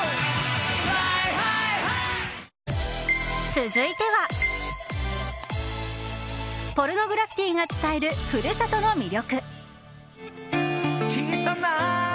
続いてはポルノグラフィティが伝える故郷の魅力。